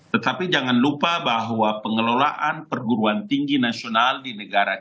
tetapi jangan lupa bahwa pengelolaan perguruan tinggi nasional di negara kita